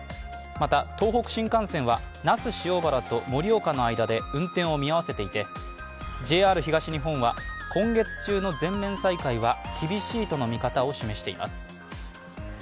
また東北新幹線は那須塩原と盛岡の間で運転を見合わせていてＪＲ東日本は、今月中の全面再開は厳しいとの見方を示しています。